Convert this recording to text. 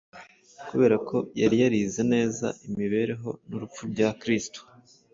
Kubera ko yari yarize neza imibereho n’urupfu bya Kristo,